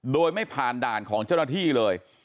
โดยไม่ผ่านด่านของเจ้าหน้าที่เลย